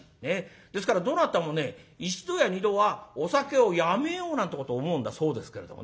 ですからどなたもね一度や二度はお酒をやめようなんてこと思うんだそうですけれどもね。